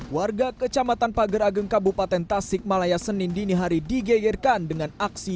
warga kecamatan pager ageng kabupaten tasik malaya senin dinihari digegirkan dengan aksi